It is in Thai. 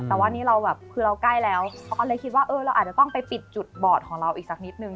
แต่ว่านี่เราแบบคือเราใกล้แล้วเขาก็เลยคิดว่าเออเราอาจจะต้องไปปิดจุดบอดของเราอีกสักนิดนึง